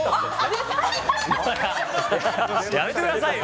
やめてくださいよ！